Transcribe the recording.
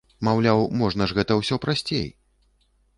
Маўляў, можна ж гэта ўсё прасцей!